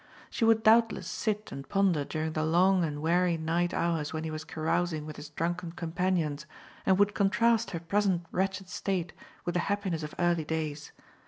She would doubtless sit and ponder during the long and weary night hours when he was carousing with his drunken companions, and would contrast her present wretched state with the happiness of early days.